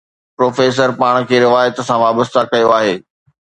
Professor پاڻ کي روايت سان وابسته ڪيو آهي.